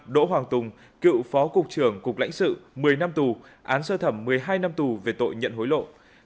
năm đỗ hoàng tùng cựu phó cục trưởng cục lãnh sự một mươi năm tù án sơ thẩm một mươi hai năm tù về tội nhận hối lộ